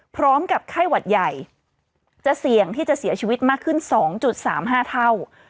พร้อมกับไข้หวัดใหญ่จะเสี่ยงที่จะเสียชีวิตมากขึ้น๒๓๕เท่า